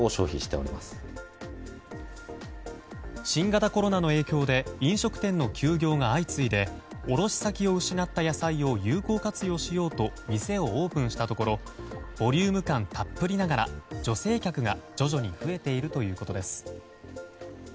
新型コロナの影響で飲食店の休業が相次いで卸し先を失った野菜を有効活用しようと店をオープンしたところボリューム感たっぷりながら女性客が徐々に増えているということです。